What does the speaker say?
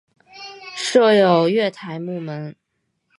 设有月台幕门。